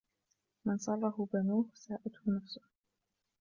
مَنْ سَرَّهُ بَنُوهُ سَاءَتْهُ نَفْسُهُ